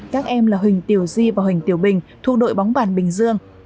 các em là huỳnh tiểu di và huỳnh tiểu bình thuộc đội bóng bàn bình dương